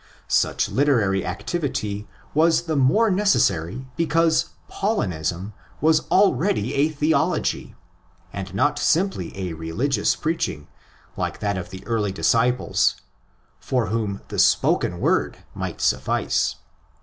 Such literary activity was the more necessary because Paulinism was already a theology, and not simply a religious preaching like that of the early disciples, for whom the spoken word might suffice.